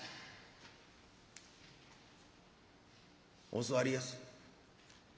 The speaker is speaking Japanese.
「お座りやす。